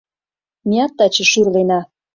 Меат таче шӱрлена.